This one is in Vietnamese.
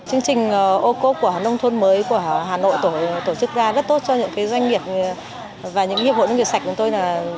chương trình ô cố của hà nông thôn mới của hà nội tổ chức ra rất tốt cho những doanh nghiệp và những nghiệp hội nông nghiệp sạch của tôi